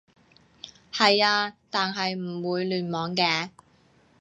係啊，但係唔會聯網嘅